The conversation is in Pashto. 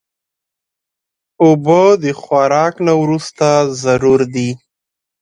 اوبه د خوراک نه وروسته ضرور دي.